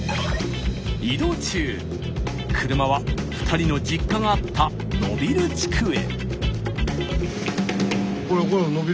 移動中車は２人の実家があった野蒜地区へ。